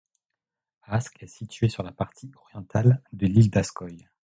Ask est situé sur la partie orientale de l'île d'Askøy.